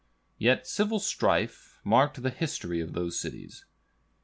Yet civil strife marked the history of those cities.